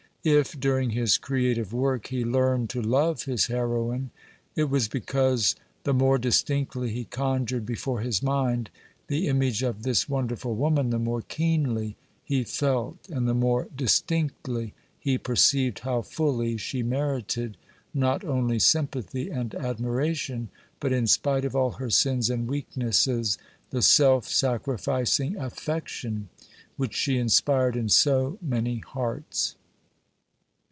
If, during his creative work, he learned to love his heroine, it was because, the more distinctly he conjured before his mind the image of this wonderful woman, the more keenly he felt and the more distinctly he perceived how fully she merited not only sympathy and admiration, but, in spite of all her sins and weaknesses, the self sacrificing affection which she inspired in so many hearts.